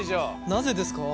なぜですか？